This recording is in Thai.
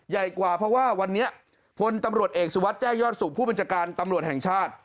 ใหญ่กว่าเพราะว่าวันนี้พลตำรวจเอกสุวัสดิแจ้งยอดสุขผู้บัญชาการตำรวจแห่งชาติ